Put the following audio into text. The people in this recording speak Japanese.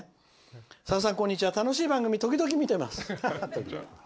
「さださん、こんにちは楽しい番組時々見てます」。